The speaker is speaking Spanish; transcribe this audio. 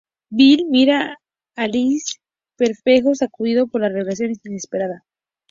Bill mira a Alice perplejo, sacudido por la revelación inesperada.